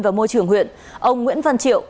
và môi trường huyện ông nguyễn văn triệu